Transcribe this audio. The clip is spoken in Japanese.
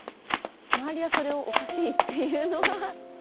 周りはそれを「おかしい」って言うのは。